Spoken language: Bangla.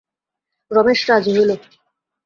রমেশ রাজি হইল।